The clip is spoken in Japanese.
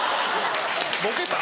ボケた？